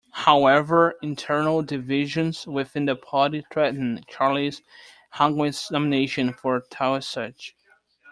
However, internal divisions within the party threatened Charles Haughey's nomination for Taoiseach.